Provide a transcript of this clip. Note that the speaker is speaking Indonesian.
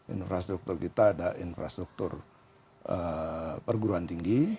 infrastruktur kita ada infrastruktur perguruan tinggi